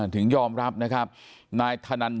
ถึงยอมรับนะครับ